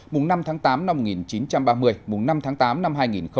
mùng năm tháng tám năm một nghìn chín trăm ba mươi mùng năm tháng tám năm hai nghìn hai mươi